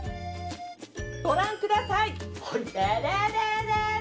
ご覧ください！